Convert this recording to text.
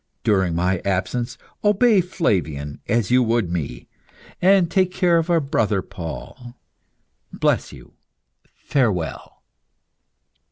During my absence obey Flavian as you would me, and take care of our brother Paul. Bless you. Farewell."